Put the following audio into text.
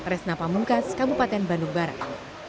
resna pamungkas kabupaten bandung barat